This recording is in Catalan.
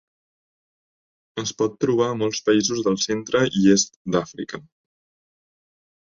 Es pot trobar a molts països del centre i est d'Àfrica.